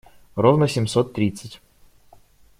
Ровно семьсот тридцать.